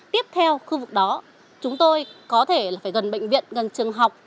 tiếp theo khu vực đó chúng tôi có thể phải gần bệnh viện gần trường học